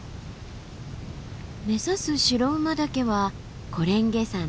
目指す白馬岳は小蓮華山の後ろ。